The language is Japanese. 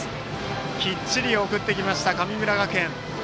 きっちり送ってきた神村学園。